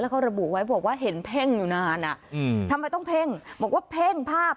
แล้วเขาระบุไว้บอกว่าเผ็งอยู่นานอืมทำไมต้องเพลิงบอกว่าเพลิงภาพ